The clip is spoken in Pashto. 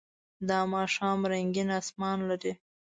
دا ماښام رنګین آسمان لري.